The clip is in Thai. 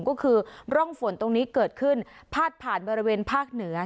ก็คือร่องฝนตรงนี้เกิดขึ้นพาดผ่านบริเวณภาคเหนือ